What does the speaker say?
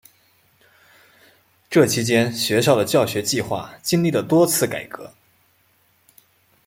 这期间学校的教学计划经历了多次改革。